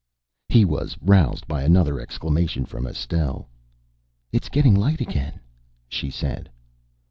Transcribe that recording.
He was roused by another exclamation from Estelle. "It's getting light again," she said.